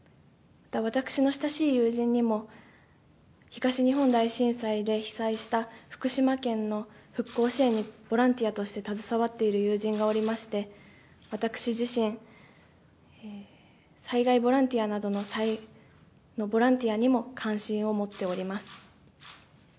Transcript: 私の親しい友人にも、東日本大震災で被災した福島県の復興支援のボランティアとして携わっている友人がおりまして、私自身、災害ボランティアにも関心を持っております。